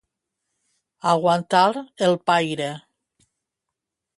Aguantar el paire.